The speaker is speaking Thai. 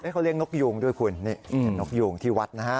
เขาเลี้ยนกยูงด้วยคุณนี่นกยูงที่วัดนะฮะ